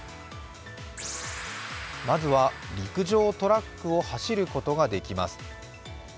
まずは陸上トラックを走ることができます。